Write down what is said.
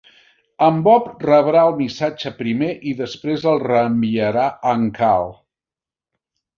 En Bob rebrà el missatge primer i després el reenviarà a en Carl.